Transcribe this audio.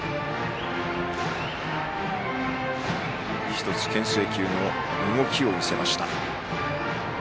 １つ、けん制球の動きを見せました。